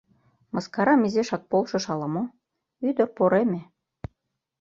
Мыскарам изишак полшыш ала мо — ӱдыр пореме.